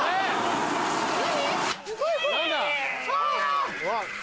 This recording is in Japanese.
何？